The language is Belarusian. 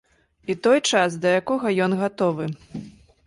І той час, да якога ён гатовы.